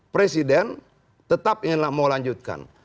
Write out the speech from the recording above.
presiden tetap inginlah melanjutkan